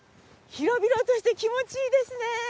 広々として気持ちいいですね。